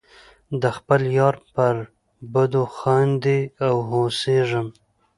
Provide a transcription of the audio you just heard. د خپل یار پر بدو خاندې او هوسیږم.